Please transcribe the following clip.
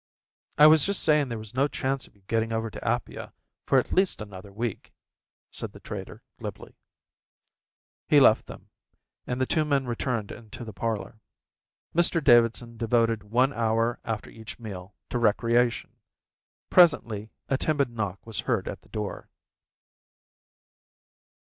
"I was just saying there was no chance of your getting over to Apia for at least another week," said the trader glibly. He left them, and the two men returned into the parlour. Mr Davidson devoted one hour after each meal to recreation. Presently a timid knock was heard at the door.